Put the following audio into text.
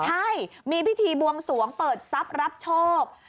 ใช่มีพิธีบวงสวงเปิดทรัพย์รับโชค